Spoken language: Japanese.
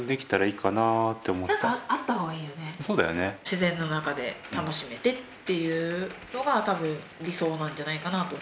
自然の中で楽しめてというのがたぶん理想なんじゃないかなと。